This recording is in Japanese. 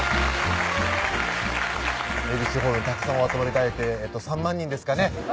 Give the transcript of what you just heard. ＡＢＣホールにたくさんお集まり頂いて３万人ですかね